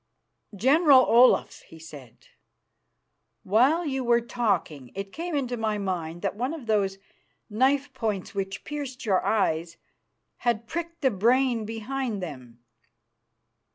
"General Olaf," he said, "while you were talking it came into my mind that one of those knife points which pierced your eyes had pricked the brain behind them.